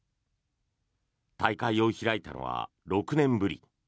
大会を開いたのは６年ぶり。